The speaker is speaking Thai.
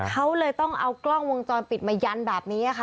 เขาเลยต้องเอากล้องวงจรปิดมายันแบบนี้ค่ะ